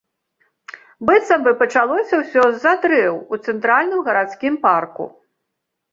Быццам бы пачалося ўсё з-за дрэў у цэнтральным гарадскім парку.